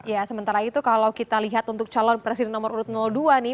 ya sementara itu kalau kita lihat untuk calon presiden nomor urut dua nih